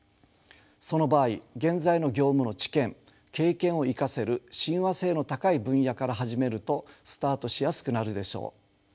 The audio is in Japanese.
その場合現在の業務の知見経験を生かせる親和性の高い分野から始めるとスタートしやすくなるでしょう。